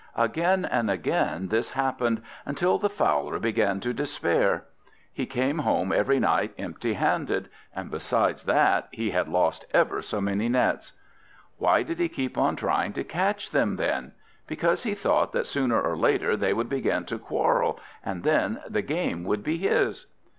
Again and again this happened, until the Fowler began to despair; he came home every night empty handed, and besides that he had lost ever so many nets. Why did he keep on trying to catch them, then? Because he thought that sooner or later they would begin to quarrel, and then the game would be his.